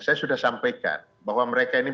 saya sudah sampaikan bahwa mereka ini